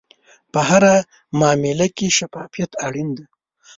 په هره معامله کې شفافیت اړین دی.